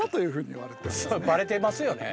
それバレてますよね。